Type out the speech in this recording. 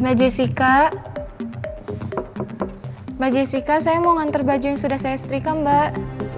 baju sika baju sika saya mau ngantar baju sudah saya setrika mbak